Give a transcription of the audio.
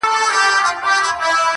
ورته اور كلى، مالت، كور او وطن سي،